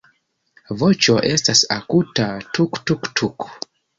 Voĉo estas akuta "tuk-tuk-tuk".